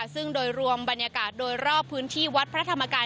ซึ่งโดยรวมบรรยากาศโดยรอบพื้นที่วัดพระธรรมกาย